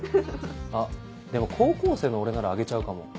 あっでも高校生の俺ならあげちゃうかも。